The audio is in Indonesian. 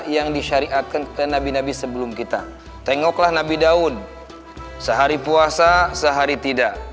yang disyariatkan ke nabi nabi sebelum kita tengoklah nabi daun sehari puasa sehari tidak